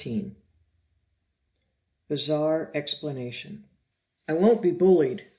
14 Bizarre Explanation "I won't be bullied!"